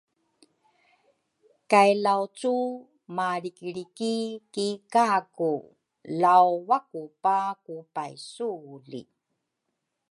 kay Laucu malrikilriki ki Kaku lau wakupa ku paisuli.